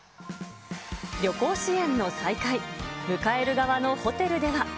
旅行支援の再開、迎える側のホテルでは。